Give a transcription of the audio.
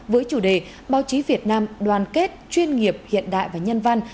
với chủ đề báo chí việt nam đoàn kết chuyên nghiệp hiện đại và nhân văn